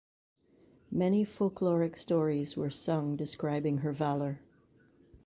Many folkloric stories were sung describing her valour.